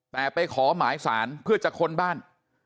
แต่ไปขอหมายสารเพื่อจะค้นบ้าน